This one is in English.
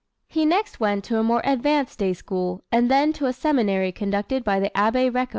He next went to a more advanced day school, and then to a seminary conducted by the Abbé Recco.